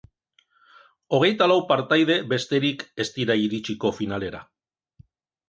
Hogeita lau partaide besterik ez dira iritsiko finalera.